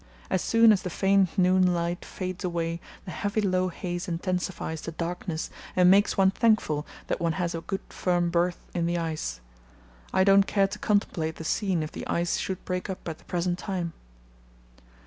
As soon as the faint noon light fades away the heavy low haze intensifies the darkness and makes one thankful that one has a good firm 'berth' in the ice. I don't care to contemplate the scene if the ice should break up at the present time.